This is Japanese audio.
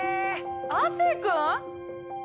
亜生君！？